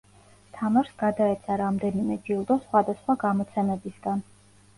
თამაშს გადაეცა რამდენიმე ჯილდო სხვადასხვა გამოცემებისგან.